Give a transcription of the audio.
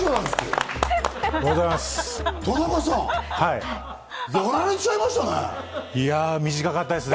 田中さん、やられちゃいましたね。